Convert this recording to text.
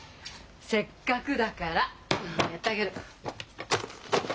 せっかくだからやってあげる。